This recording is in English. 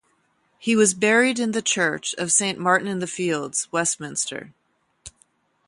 He was buried in the church of Saint Martin-in-the-Fields, Westminster.